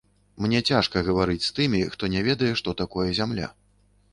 Мне цяжка гаварыць з тымі, хто не ведае, што такое зямля.